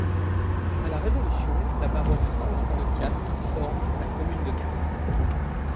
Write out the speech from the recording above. À la Révolution, la paroisse Saint-Martin de Castres forme la commune de Castres.